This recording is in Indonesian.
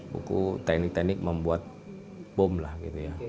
buku teknik teknik membuat bom